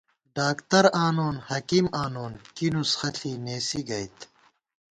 ڈاکترآنون حکیم آنون کی نُسخہ ݪی نېسی گئیت